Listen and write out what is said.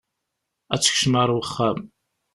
Ad tekcem ar wexxam.